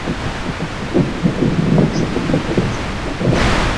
তিনি অনেক তারাহি মাহফিল ই মুশাইরা বা কবিতা আসরের আয়োজন করেছেন।